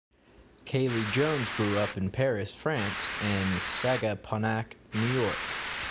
Kaylie Jones grew up in Paris, France and Sagaponack, New York.